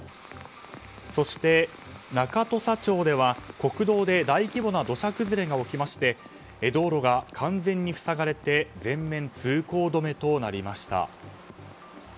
そして、中土佐町では国道で大規模な土砂崩れが起きまして道路が完全に塞がれて全面通行止めとなりました。